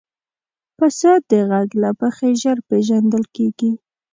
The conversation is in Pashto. پسه د غږ له مخې ژر پېژندل کېږي.